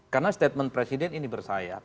karena statement presiden ini bersayap